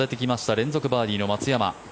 連続バーディーの松山。